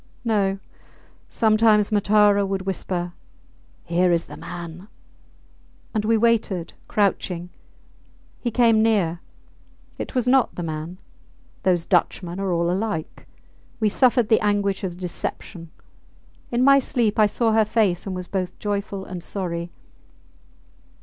No! Sometimes Matara would whisper, Here is the man, and we waited, crouching. He came near. It was not the man those Dutchmen are all alike. We suffered the anguish of deception. In my sleep I saw her face, and was both joyful and sorry